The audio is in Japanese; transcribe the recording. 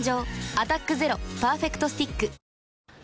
「アタックＺＥＲＯパーフェクトスティック」